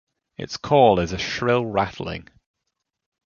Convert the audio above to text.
Its call is a shrill rattling.